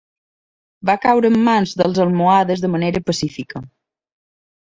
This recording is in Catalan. Va caure en mans dels almohades de manera pacífica.